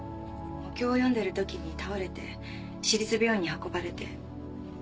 お経を読んでる時に倒れて市立病院に運ばれて。